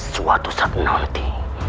suatu saat nanti